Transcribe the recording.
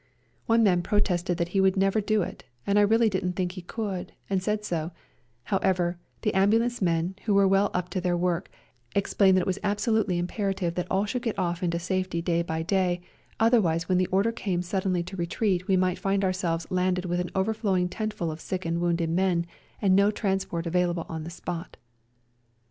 One man protested that he would never do it, and I really didn't think he could, and said so; however, the ambu lance men, who were well up to their work, explained that it was absolutely impera tive that all should get off into safety day by day, otherwise when the order came suddenly to retreat we might find our selves landed with an overflowing tentful of sick and wounded men, and no trans port available on the spot.